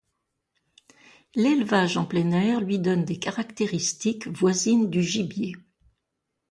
L'élevage en plein air lui donne des caractéristiques voisines du gibier.